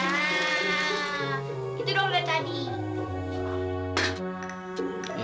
nah itu doang luar tadi